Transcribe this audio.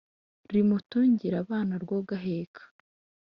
Rimutungire abana rwo gaheka.